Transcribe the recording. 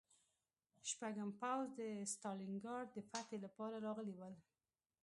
شپږم پوځ د ستالینګراډ د فتحې لپاره راغلی و